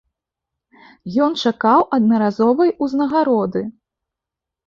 Ён чакаў аднаразовай узнагароды.